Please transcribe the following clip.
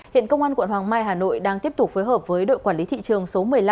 hiện công an quận hoàng mai hà nội đang tiếp tục phối hợp với đội quản lý thị trường số một mươi năm